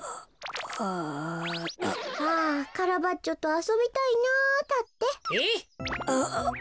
「あぁカラバッチョとあそびたいなぁ」だって。え？